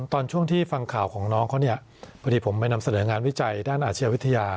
ตอนช่วงที่ฟังข่าวของน้องเขาเนี่ยพอดีผมไปนำเสนองานวิจัยด้านอาชญาวิทยา